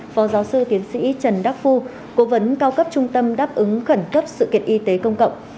phó giáo sư tiến sĩ trần đắc phu cố vấn cao cấp trung tâm đáp ứng khẩn cấp sự kiện y tế công cộng